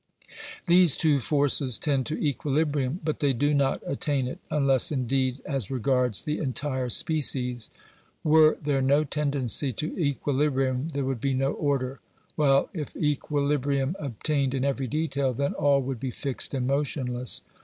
These two forces tend to equilibrium, but they do not attain it, unless indeed as regards the entire species. Were Hhere no tendency to equilibrium there would be no order, while if equilibrium obtained in every detail, then all would be fixed and motionless.